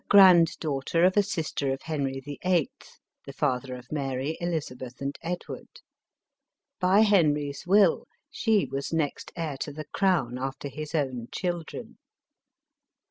grand daughter of a sister of Henry VIIL, the father of Mary, Elizabeth and Ed ward. By Henry's will, she was next heir to the crown after his own children.